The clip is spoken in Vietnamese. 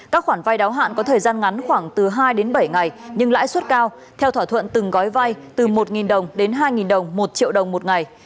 các khoản vay đáo hạn có thời gian ngắn khoảng từ hai đến bảy ngày nhưng lãi suất cao theo thỏa thuận từng gói vai từ một đồng đến hai đồng một triệu đồng một ngày